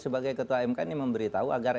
sebagai ketua mk ini memberitahu agar